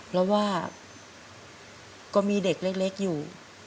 เพราะว่าก็มีเด็กเล็กอยู่